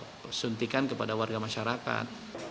jadi disuntikan kepada warga masyarakat